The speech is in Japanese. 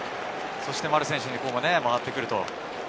そして丸選手に回ってくると。